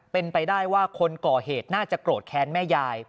เป็นไปได้ว่าคนก่อเหตุน่าจะโกรธแค้นแม่ยาย